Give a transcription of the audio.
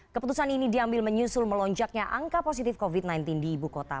keputusan ini diambil menyusul melonjaknya angka positif covid sembilan belas di ibu kota